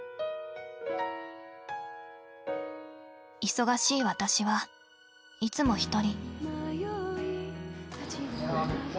忙しい私はいつも一人。